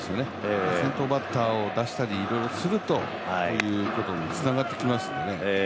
先頭バッターを出したり、いろいろするとこういうことにつながってきますからね。